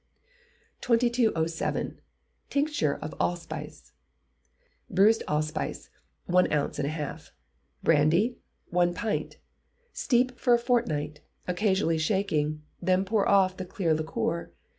2207. Tincture of Allspice Bruised allspice, one ounce and a half; brandy, a pint. Steep for a fortnight, occasionally shaking, then pour off the clear liquor.